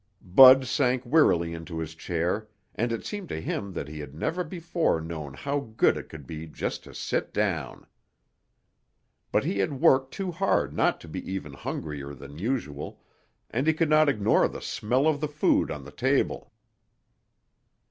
Bud sank wearily into his chair and it seemed to him that he had never before known how good it could be just to sit down. But he had worked too hard not to be even hungrier than usual, and he could not ignore the smell of the food on the table.